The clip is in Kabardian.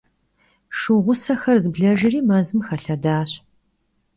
Şşu ğusexer zblejjri mezım xelhedaş.